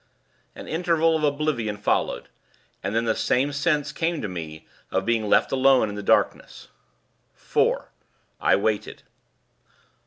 An interval of oblivion followed; and then the sense came to me of being left alone in the darkness. "4. I waited.